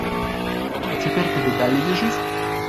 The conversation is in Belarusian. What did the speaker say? А цяпер табе далі дзе жыць?